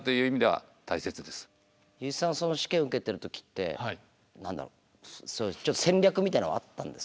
油井さんその試験受けてる時って何だろ戦略みたいなのはあったんですか？